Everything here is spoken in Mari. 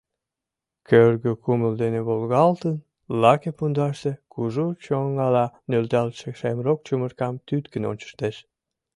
Кӧргӧ кумыл дене волгалтын, лаке пундаште кужу чоҥгала нӧлталтше шемрок чумыркам тӱткын ончыштеш.